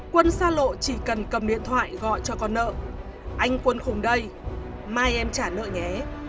quân xa lộ chỉ cần cầm điện thoại gọi cho con nợ anh quân khủng đây mai em trả nợ nhé